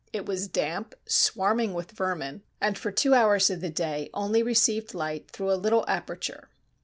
It was damp, swarming with vermin, and for two hours of the day only received light through a little aperture.